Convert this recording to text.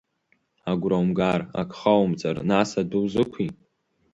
Агәра умгар, ак хаумҵар, нас адәы узықәи?